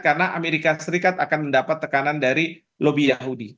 karena amerika serikat akan mendapat tekanan dari lobi yahudi